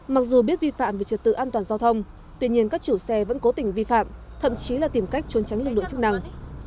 mặc dù biết vi phạm về trật tự an toàn giao thông tuy nhiên các chủ xe vẫn cố tình vi phạm thậm chí là tìm cách trốn tránh lực lượng chức năng